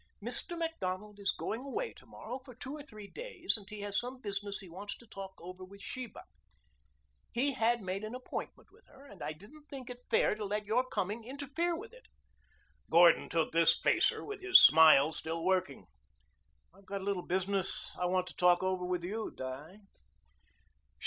Mr. Macdonald is going away to morrow for two or three days and he has some business he wants to talk over with Sheba. He had made an appointment with her, and I didn't think it fair to let your coming interfere with it." Gordon took this facer with his smile still working. "I've got a little business I want to talk over with you, Di."